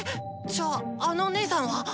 じゃああの姐さんは！